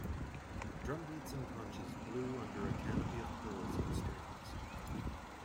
Drums beat and conches blew under a canopy of pearls on strings.